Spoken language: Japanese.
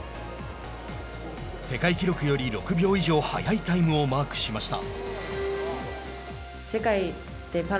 世界記録より６秒以上速いタイムをマークしました。